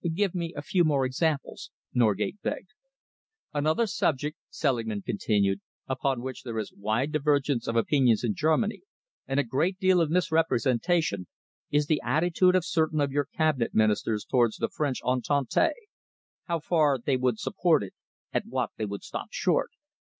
"Give me a few more examples," Norgate begged. "Another subject," Selingman continued, "upon which there is wide divergence of opinions in Germany, and a great deal of misrepresentation, is the attitude of certain of your Cabinet Ministers towards the French entente: how far they would support it, at what they would stop short."